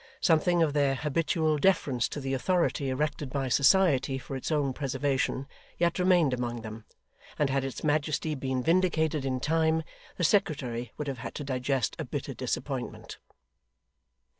Something of their habitual deference to the authority erected by society for its own preservation yet remained among them, and had its majesty been vindicated in time, the secretary would have had to digest a bitter disappointment.